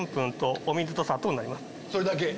それだけ？